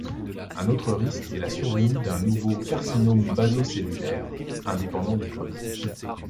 Un autre risque est la survenue d'un nouveau carcinome baso-cellulaire, indépendant du premier.